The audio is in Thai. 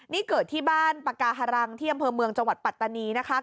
นี่เกิดที่บ้านปากาฮารังที่อำเภอเมืองจังหวัดปัตตานีนะคะ